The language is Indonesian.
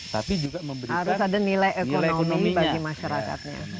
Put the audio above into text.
tapi juga memberikan nilai ekonomi bagi masyarakatnya